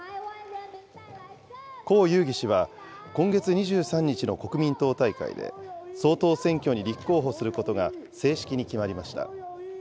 侯友宜氏は、今月２３日の国民党大会で、総統選挙に立候補することが正式に決まりました。